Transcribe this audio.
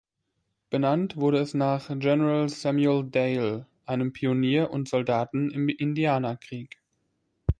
Benannt wurde es nach General Samuel Dale, einem Pionier und Soldaten im Indianerkrieg.